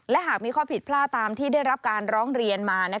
และหากมีข้อผิดพลาดตามที่ได้รับการร้องเรียนมา